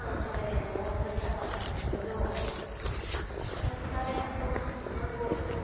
もし食べて。